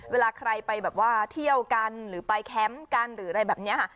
เวลาใครไปแบบว่าเที่ยวกันหรือไปแคมป์กันหรืออะไรแบบนี้ค่ะ